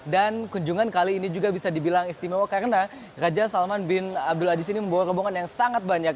dan kunjungan kali ini juga bisa dibilang istimewa karena raja salman bin abdul aziz ini membawa robongan yang sangat banyak